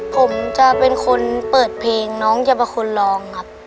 ผมจะเป็นคนเปิดเพลงน้องจะเป็นคนร้องครับ